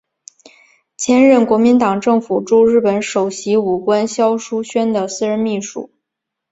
兼任国民党政府驻日本首席武官肖叔宣的私人秘书。